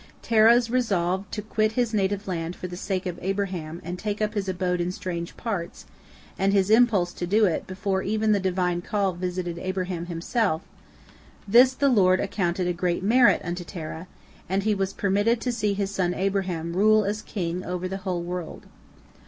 Terah's resolve to quit his native land for the sake of Abraham and take up his abode in strange parts, and his impulse to do it before even the Divine call visited Abraham himself—this the Lord accounted a great merit unto Terah, and he was permitted to see his son Abraham rule as king over the whole world.